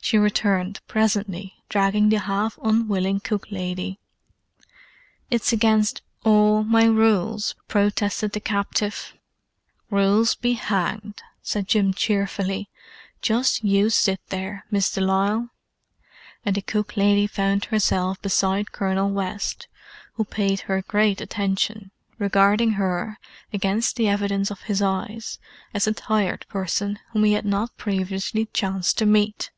She returned, presently, dragging the half unwilling cook lady. "It's against all my rules!" protested the captive. "Rules be hanged!" said Jim cheerfully. "Just you sit there, Miss de Lisle." And the cook lady found herself beside Colonel West, who paid her great attention, regarding her, against the evidence of his eyes, as a Tired Person whom he had not previously chanced to meet.